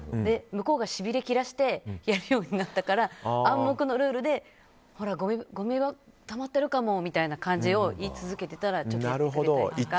向こうがしびれを切らせてやるようになったら暗黙のルールでごみ、たまってるかもみたいに言い続けてたらちょっとやってくれたりとか。